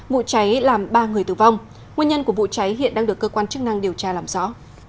vụ cháy làm ba người tử vong nguyên nhân của vụ cháy hiện đang được cơ quan chức năng điều tra làm rõ